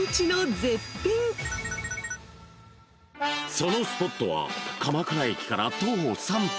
［そのスポットは鎌倉駅から徒歩３分］